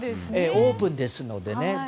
オープンですので。